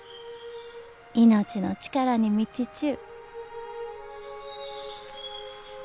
命の力に満ちちゅう。